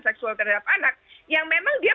seksual terhadap anak yang memang dia